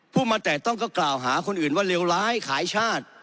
พูดมาแต่ต้องก็กล่าวหาคนอื่นว่าเลวร้ายขายชาติ